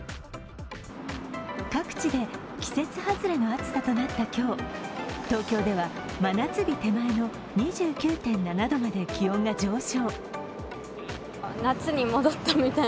各地で季節外れの暑さとなった今日、東京では真夏日手前の２９．７度まで気温が上昇。